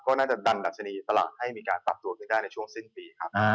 ก็น่าจะดันดัชนีตลาดให้มีการปรับตัวไปได้ในช่วงสิ้นปีครับ